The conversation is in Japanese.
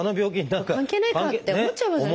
関係ないかって思っちゃいますよね。